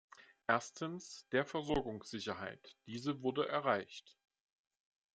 Erstens der Versorgungssicherheit diese wurde erreicht.